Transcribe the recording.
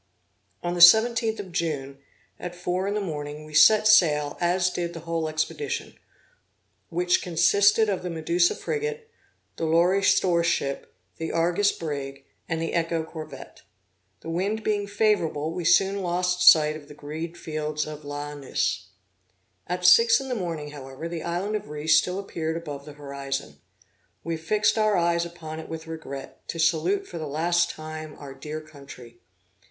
On the 17th of June, at four in the morning, we set sail as did the whole expedition, which consisted of the Medusa frigate, the Loire store ship, the Argus brig and the Echo corvette. The wind being favorable, we soon lost sight of the green fields of l'Aunis. At six in the morning, however, the island of Rhe still appeared above the horizon. We fixed our eyes upon it with regret, to salute for the last time our dear country.